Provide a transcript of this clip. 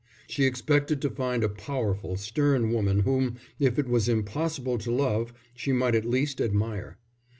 She expected to find a powerful, stern woman whom, if it was impossible to love, she might at least admire.